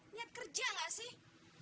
niat kerja gak sih